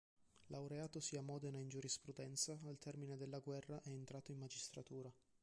Laureatosi a Modena in giurisprudenza, al termine della guerra è entrato in magistratura.